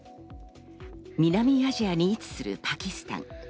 南アジアに位置するパキスタン。